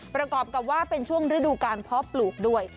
ประกอบกับว่าเป็นช่วงฤดูการเพาะปลูกด้วย